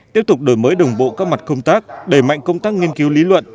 tiếp tục đổi mới đồng bộ các mặt công tác đẩy mạnh công tác nghiên cứu lý luận